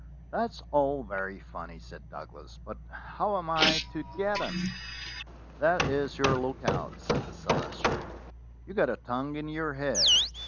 "That's all very funny," said Douglas, "but how am I to get 'em?" "That is your look out," said the Celestial. "You've got a tongue in your head.